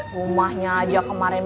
rumahnya aja kemarin